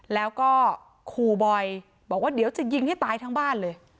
แล้วก็ขู่บอยบอกว่าเดี๋ยวจะยิงให้ตายทั้งบ้านเลย